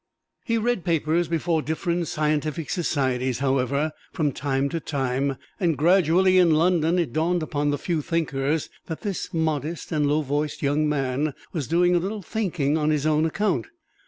He read papers before different scientific societies, however, from time to time, and gradually in London it dawned upon the few thinkers that this modest and low voiced young man was doing a little thinking on his own account.